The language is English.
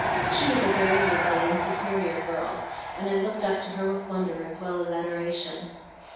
"She was a very lovely and superior girl, and I looked up to her with wonder as well as adoration.